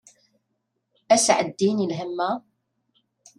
Ad as-iɛeddin lhem-a!